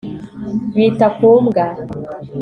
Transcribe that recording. bita ku mbwa